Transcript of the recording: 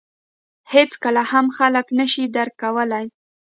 • هېڅکله هم خلک نهشي درک کولای.